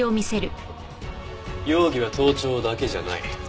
容疑は盗聴だけじゃない。